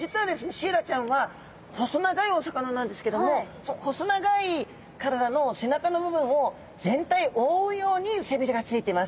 シイラちゃんは細長いお魚なんですけどもその細長い体の背中の部分を全体覆うように背鰭がついてます。